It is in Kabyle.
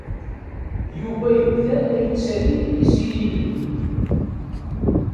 Yuba yebda la yettali isili-nni.